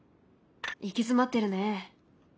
行き詰まってるね。